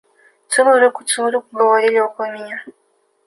«Целуй руку, целуй руку!» – говорили около меня.